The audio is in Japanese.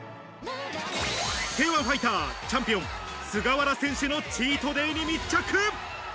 Ｋ‐１ファイターチャンピオン、菅原選手のチートデイに密着！